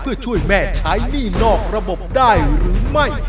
เพื่อช่วยแม่ใช้หนี้นอกระบบได้หรือไม่